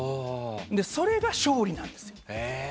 それが勝利なんですよ。